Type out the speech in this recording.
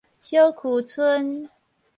小坵村